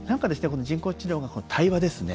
この人工知能が、対話ですね